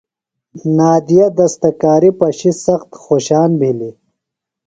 نادیہ دستکاری پشی سخت خوشان بِھلیۡ۔